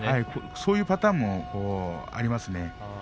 そういうパターンもありますね。